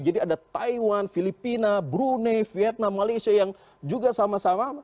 jadi ada taiwan filipina brunei vietnam malaysia yang juga sama sama